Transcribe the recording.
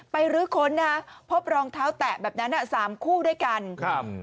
รื้อค้นนะฮะพบรองเท้าแตะแบบนั้นอ่ะสามคู่ด้วยกันครับ